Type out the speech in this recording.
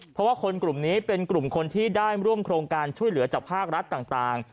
เพราะว่าคนกลุ่มนี้เป็นกลุ่มคนที่ได้ร่วมโครงการช่วยเหลือจากภาครัฐต่าง